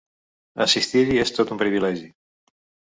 Assistir-hi és tot un privilegi.